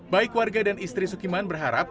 baik warga dan istri sukiman berharap